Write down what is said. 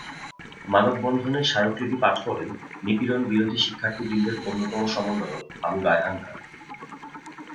মানববন্ধনে স্মারকলিপি পাঠ করেন নিপীড়নবিরোধী শিক্ষার্থীবৃন্দর অন্যতম সমন্বয়ক আবু রায়হান খান।